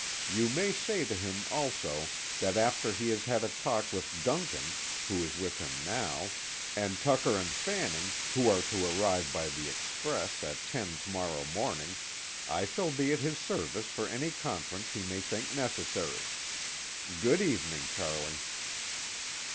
You may say to him, also, that after he has had a talk with Duncan, who is with him now, and Tucker and Fanning, who are to arrive by the express at ten to morrow morning, I shall be at his service for any conference he may think necessary. Good evening, Charley."